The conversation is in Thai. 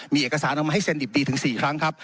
มีเอกสารออกมาให้เซ็นดิบดีถึง๔ครั้งครับ